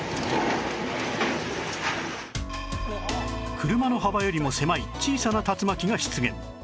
車の幅よりも狭い小さな竜巻が出現